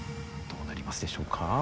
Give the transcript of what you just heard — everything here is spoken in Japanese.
どうなりますでしょうか。